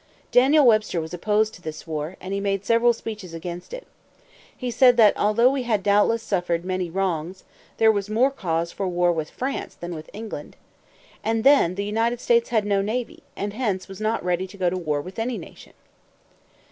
Daniel Webster was opposed to this war, and he made several speeches against it. He said that, although we had doubtless suffered many wrongs, there was more cause for war with France than with England. And then, the United States had no navy, and hence was not ready to go to war with any nation.